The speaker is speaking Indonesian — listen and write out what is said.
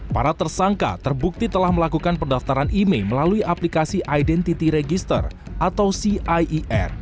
para tersangka terbukti telah melakukan pendaftaran email melalui aplikasi identity register atau cier